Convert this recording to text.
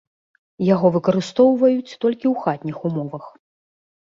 Яго выкарыстоўваюць толькі ў хатніх умовах.